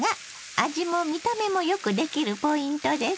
味も見た目もよくできるポイントです。